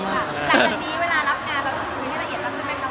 หมายถึงว่าความดังของผมแล้วทำให้เพื่อนมีผลกระทบอย่างนี้หรอค่ะ